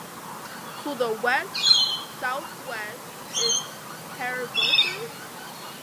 To the west-southwest is Herigonius.